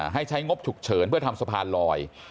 ให้ใช้งบฉุกเฉินเพื่อทำสะพานลอย